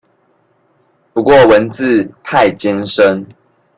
不過文字太艱深